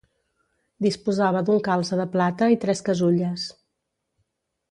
Disposava d'un calze de plata i tres casulles.